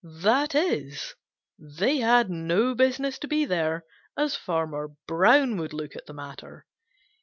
That is, they had no business to be there, as Farmer Brown would look at the matter.